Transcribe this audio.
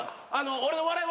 俺の笑い